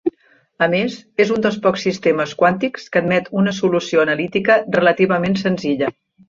A més, és un dels pocs sistemes quàntics que admet una solució analítica relativament senzilla.